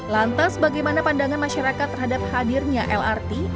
lantas bagaimana pandangan masyarakat terhadap hadirnya lrt